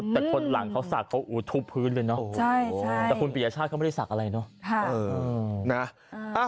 แต่คนหลังเขาศักดิ์เขาทุบพื้นเลยเนอะแต่คุณปียชาติเขาไม่ได้ศักดิ์อะไรเนอะ